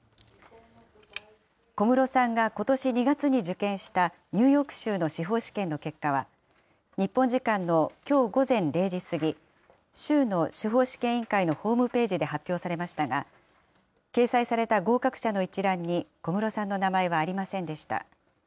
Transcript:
小室さんがことし２月に受験したニューヨーク州の司法試験の結果は、日本時間のきょう午前０時過ぎ、州の司法試験委員会のホームページで発表されましたが、掲載された合格者の一覧に、小室さんの名前はありませんでした。